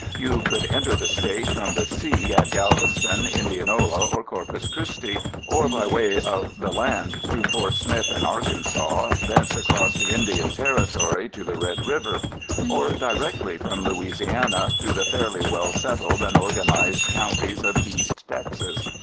You could enter the State from the sea at Galveston, Indianola or Corpus Christi, or by way of the land through Fort Smith in Arkansas, thence across the Indian Territory to the Red River; or directly from Louisiana through the fairly well settled and organized counties of East Texas.